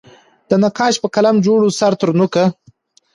د نقاش په قلم جوړ وو سر ترنوکه